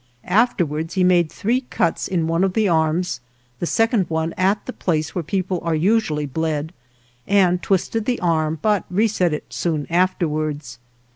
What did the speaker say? Afterwards he made three cuts in one of the arms, the second one at the place where people are usually bled, and twisted the arm, but reset it soon afterwards.